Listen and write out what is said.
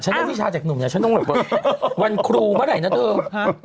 ฉันแล้ววิชาเจ็กหนุ่มเนี่ยฉันต้องเหลือวันครูเมื่อไหนนะเถอะ